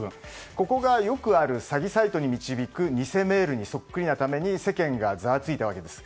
ここがよくある詐欺サイトに導く偽メールにそっくりなために世間がざわついたわけです。